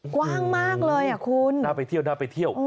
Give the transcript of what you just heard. กว้างมากเลยคุณน่าไปเที่ยวน่าไปเที่ยว